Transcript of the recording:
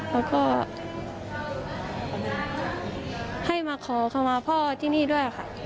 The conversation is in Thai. อยากให้ตามมาขอขอมาพ่อที่นี่ด้วยค่ะ